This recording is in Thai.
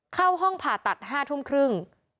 เข้าห้องผ่าตัด๕ทุ่มครึ่ง